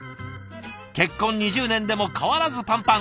結婚２０年でも変わらずパンパン。